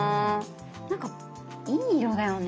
なんかいい色だよね。